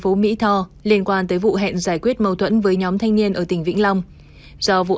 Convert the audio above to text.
phố mỹ tho liên quan tới vụ hẹn giải quyết mâu thuẫn với nhóm thanh niên ở tỉnh vĩnh long do vụ